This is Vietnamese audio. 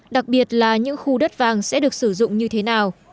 đặc biệt là những khu đất vàng sẽ được sử dụng như thế nào